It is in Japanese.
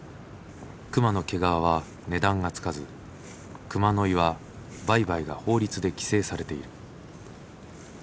熊の毛皮は値段がつかず熊の胆は売買が法律で規制されている。